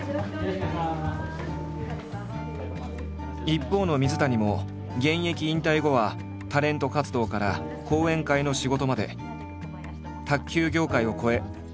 一方の水谷も現役引退後はタレント活動から講演会の仕事まで卓球業界を超えさまざまな分野に挑戦中。